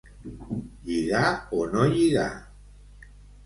Lligar o no lligar.